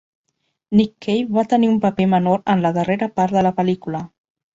Nick Cave va tenir un paper menor en la darrera part de la pel·lícula.